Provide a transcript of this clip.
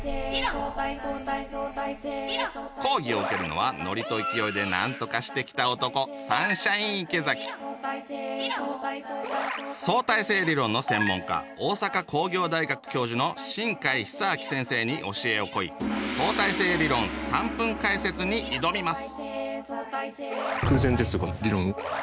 講義を受けるのはノリと勢いでなんとかしてきた男相対性理論の専門家大阪工業大学教授の真貝寿明先生に教えを請い「相対性理論３分解説」に挑みます。